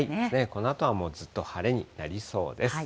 このあとはもうずっと晴れになりそうです。